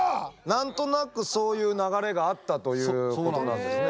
何となくそういう流れがあったということなんですね。